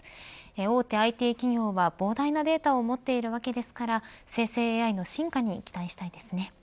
大手ＩＴ企業は膨大なデータを持っているわけですから生成ＡＩの進化に期待したいですね。